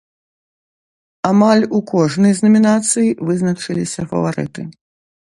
Амаль у кожнай з намінацый вызначыліся фаварыты.